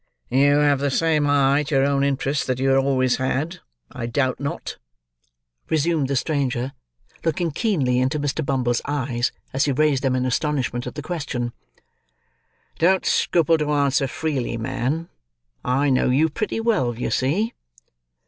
"You have the same eye to your own interest, that you always had, I doubt not?" resumed the stranger, looking keenly into Mr. Bumble's eyes, as he raised them in astonishment at the question. "Don't scruple to answer freely, man. I know you pretty well, you see."